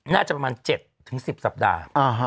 น่าจะประมาณ๗๑๐สัปดาห์